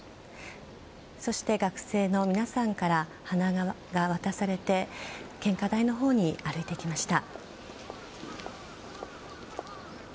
そして、学生の皆さんから花輪が渡されて献花台のほうに歩いてきました。